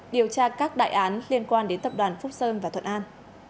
điều tra các đại án liên quan đến tập đoàn phúc sơn và thuận an